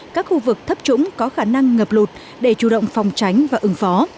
các khu vực thấp trũng có khả năng ngập lụt để chủ động phòng tránh và ứng phó